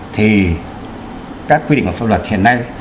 thì các quy định của pháp luật hiện nay